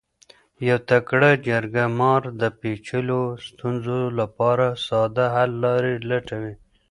یو تکړه جرګه مار د پیچلو ستونزو لپاره ساده حل لارې لټوي.